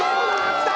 きた！